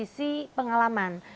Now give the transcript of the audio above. dari sisi pengalaman